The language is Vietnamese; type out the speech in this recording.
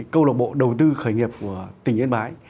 câu lạc bộ đầu tư khởi nghiệp của tỉnh yên bái